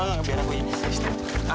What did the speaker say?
enggak enggak biar aku aja sini